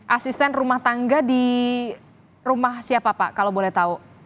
asisten rumah tangga di rumah siapa pak kalau boleh tahu